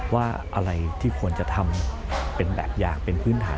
ว่าอะไรที่ควรจะทำเป็นแบบอย่างเป็นพื้นฐาน